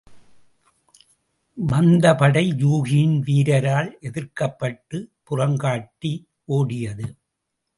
வந்தபடை யூகியின் வீரரால் எதிர்க்கப்பட்டுப் புறங்காட்டி ஓடியது.